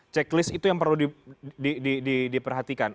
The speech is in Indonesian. checklist itu yang perlu diperhatikan